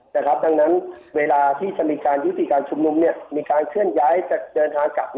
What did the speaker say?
ดังนั้นเวลาที่จะมีการยุติการชุมนุมมีการเคลื่อนย้ายจะเดินทางกลับ